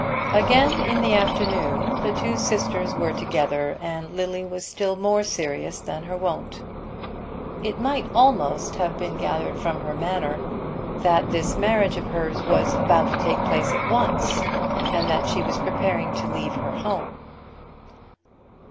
Again in the afternoon the two sisters were together, and Lily was still more serious than her wont. It might almost have been gathered from her manner that this marriage of hers was about to take place at once, and that she was preparing to leave her home.